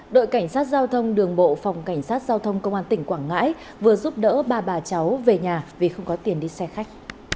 đội cảnh sát giao thông đường bộ phòng cảnh sát giao thông công an tỉnh quảng ngãi vừa giúp đỡ ba bà cháu về nhà vì không có tiền đi xe khách